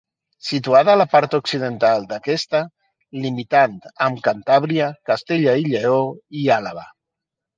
Situada en la part occidental d'aquesta, limitant amb Cantàbria, Castella i Lleó i Àlaba.